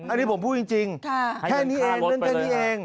อันนี้ผมพูดจริงแค่นี้เองเรื่องแค่นี้เอง